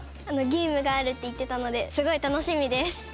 ゲームがあるって言ってたのですごい楽しみです。